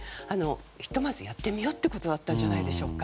ひとまずやってみようってことだったんじゃないでしょうか。